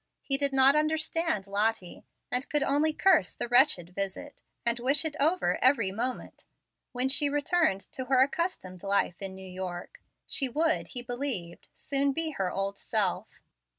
He did not understand Lottie, and could only curse the wretched visit, and wish it over every moment. When she returned to her accustomed life in New York, she would, he believed, soon be her old self.